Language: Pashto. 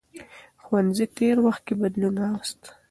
ښوونځي تېر وخت کې بدلون راوست.